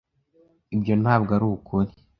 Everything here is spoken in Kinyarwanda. Ibyo ntabwo ari ukuri.